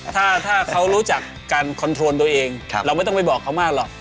ถ้าเขารู้จักการคอนโทรลตัวเองเราไม่ต้องไปบอกเขามากหรอก